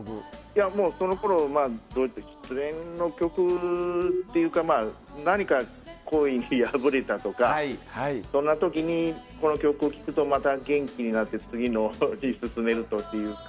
そのころ、失恋の曲っていうか何か恋に破れたとかそんな時にこの曲を聴くとまた元気になって次に進めるというか。